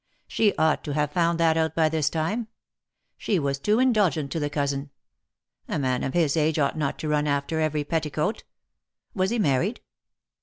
She ought to have found that out by this time. She was too indulgent to the cousin. A man of his age ought not to run after every petticoat. Was he married